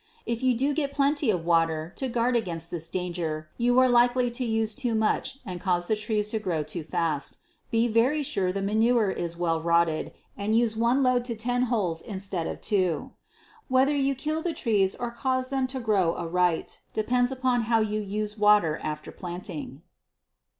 If you do get plenty of water to guard against this danger, you are likely to use too much and cause the trees to grow too fast. Be very sure the manure is well rotted and use one load to ten holes instead of two. Whether you kill the trees or cause them to grow aright depends upon how you use water after planting.